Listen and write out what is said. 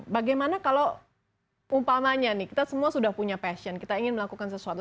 bagaimana kalau umpamanya nih kita semua sudah punya passion kita ingin melakukan sesuatu